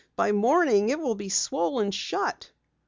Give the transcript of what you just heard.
By morning it will be swollen shut."